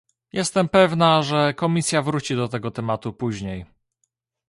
Jestem pewna, że Komisja wróci do tego tematu później